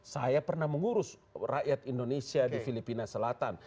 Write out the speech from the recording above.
saya pernah mengurus rakyat indonesia di filipina selatan